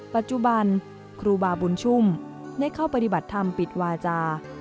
ปัจจุบันครูบาบุญชุ่มได้เข้าปฏิบัติธรรมปิดวาจา